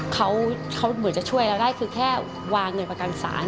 เขาเหมือนจะช่วยเราได้คือแค่วางเงินประกันศาล